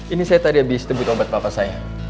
ini saya tadi habis tebut obat bapak saya